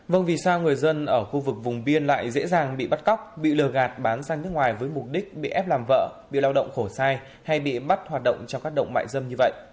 vâng vì sao người dân ở khu vực vùng biên lại dễ dàng bị bắt cóc bị lừa gạt bán sang nước ngoài với mục đích bị ép làm vợ bị lao động khổ sai hay bị bắt hoạt động cho các động mại dâm như vậy